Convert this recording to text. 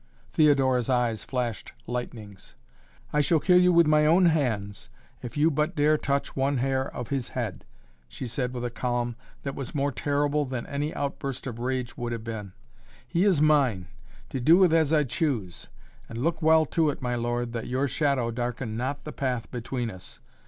Theodora's eyes flashed lightnings. "I shall kill you with my own hands, if you but dare but touch one hair of his head," she said with a calm that was more terrible than any outburst of rage would have been. "He is mine, to do with as I choose, and look well to it, my lord, that your shadow darken not the path between us.